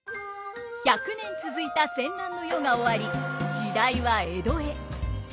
１００年続いた戦乱の世が終わり時代は江戸へ。